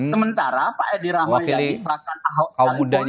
sementara pak edi rahmi